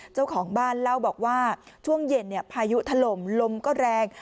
เจ้าของบ้านเล่าบอกว่าช่วงเย็นพายุถล่มลมก็แรง